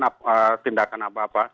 melakukan tindakan apa apa